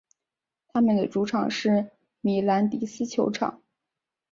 他们的主场是米兰迪斯球场。